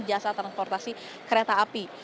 jasa transportasi kereta api